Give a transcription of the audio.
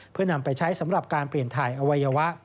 เพื่อนำไปใช้สำหรับการเปลี่ยนถ่ายอวัยวะ